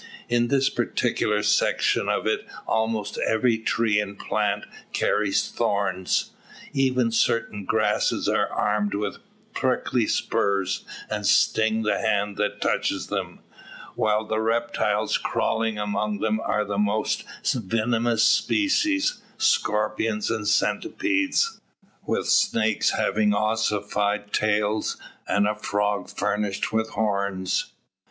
In this particular section of it almost every tree and plant carries thorns. Even certain grasses are armed with prickly spurs, and sting the hand that touches them; while the reptiles crawling among them are of the most venomous species; scorpions and centipedes, with snakes having ossified tails, and a frog furnished with horns!